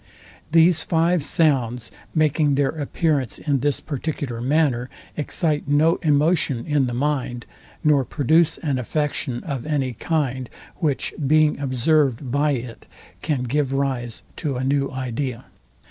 These five sounds making their appearance in this particular manner, excite no emotion in the mind, nor produce an affection of any kind, which being observed by it can give rise to a new idea.